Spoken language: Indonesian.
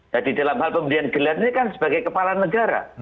jadi dalam hal pemberian gelar ini kan sebagai kepala negara